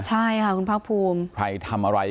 ใช่ค่ะคุณพระคุณภูมิ